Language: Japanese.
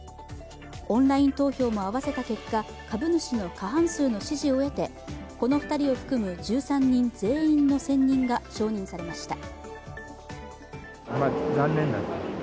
オンライン投票も合わせた結果株主の過半数の支持を得てこの２人を含む１３人全員の選任が承認されました。